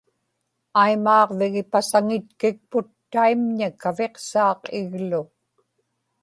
aimaaġvigipasaŋitkikput taimña kaviqsaaq iglu